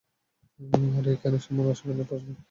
আর এখনে শোভন-অশোভনের প্রসঙ্গ এসেছে কেন, তা আমার বোধগম্য হয়নি।